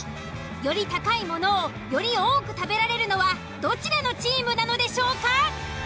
より高いものをより多く食べられるのはどちらのチームなのでしょうか。